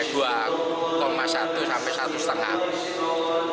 jadi kalau ukuran al quran ini dua satu sampai satu lima